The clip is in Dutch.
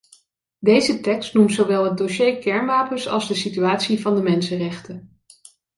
Deze tekst noemt zowel het dossier kernwapens als de situatie van de mensenrechten.